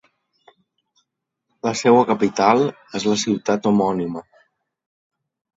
La seua capital és la ciutat homònima.